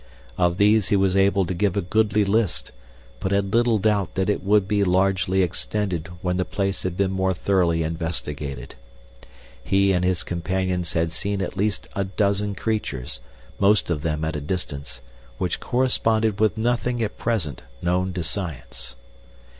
Of these he was able to give a goodly list, but had little doubt that it would be largely extended when the place had been more thoroughly investigated. He and his companions had seen at least a dozen creatures, most of them at a distance, which corresponded with nothing at present known to Science.